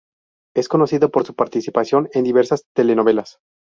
Es conocido por su participación en diversas telenovelas.